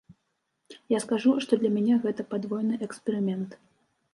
Я скажу, што для мяне гэта падвойны эксперымент.